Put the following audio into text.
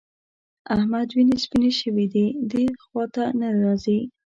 د احمد وینې سپيېنې شوې دي؛ دې خوا ته نه راځي.